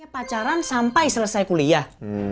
pacaran sampai selesai kuliah